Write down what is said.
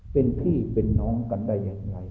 เป็นพี่เป็นน้องกันได้อย่างไร